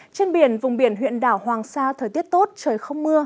trên biển vùng biển huyện đảo hoàng sa thời tiết tốt trời không mưa